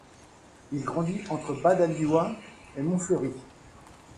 Il grandit entre Bab Alioua et Montfleury.